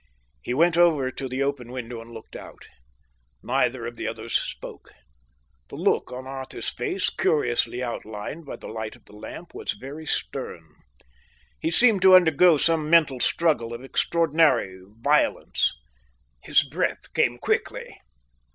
He went over to the open window and looked out. Neither of the others spoke. The look on Arthur's face, curiously outlined by the light of the lamp, was very stern. He seemed to undergo some mental struggle of extraordinary violence. He breath came quickly.